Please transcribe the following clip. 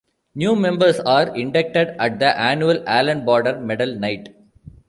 New members are inducted at the annual Allan Border Medal night.